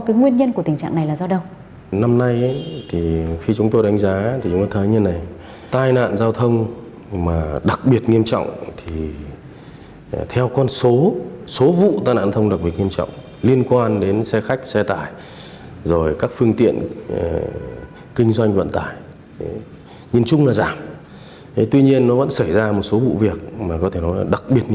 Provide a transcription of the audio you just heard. các bạn hãy đăng kí cho kênh lalaschool để không bỏ lỡ những video hấp dẫn